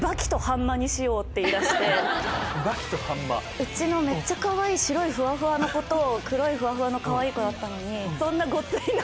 ⁉うちのめっちゃかわいい白いふわふわの子と黒いふわふわのかわいい子だったのに。